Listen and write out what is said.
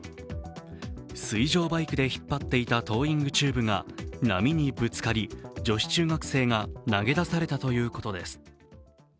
水上バイクで引っ張っていたトーイングチューブが波にぶつかり、女子中学生が投げ出されたということです。